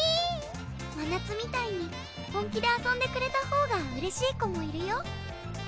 まなつみたいに本気で遊んでくれたほうがうれしい子もいるよ